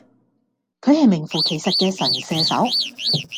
佢係名副其實嘅神射手